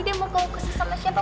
dia mau kau keses sama siapa